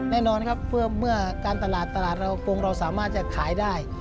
แน่นอนครับเมื่อการตลาดตลาดเราคงเราสามารถจะขายได้